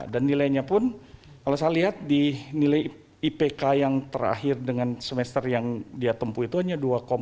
dan nilainya pun kalau saya lihat di nilai ipk yang terakhir dengan semester yang dia tempuh itu hanya dua empat